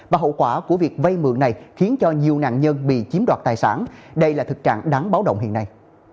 và hậu quả của việc vay mượn này khiến cho nhiều nạn nhân bị chiếm đoạt tài sản đây là thực trạng đáng báo động hiện nay